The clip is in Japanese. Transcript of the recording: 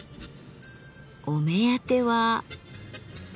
お目当ては。